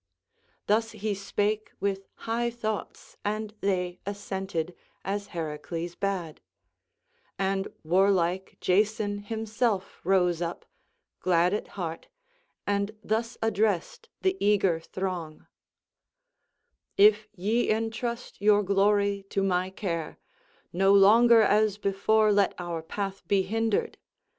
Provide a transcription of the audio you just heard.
Thus he spake with high thoughts, and they assented, as Heracles bade; and warlike Jason himself rose up, glad at heart, and thus addressed the eager throng: "If ye entrust your glory to my care, no longer as before let our path be hindered.